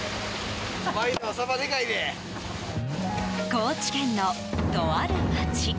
高知県のとある街。